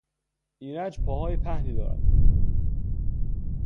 ایرج پاهای پهنی دارد.